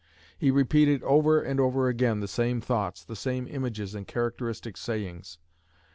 He repeated over and over again the same thoughts, the same images and characteristic sayings.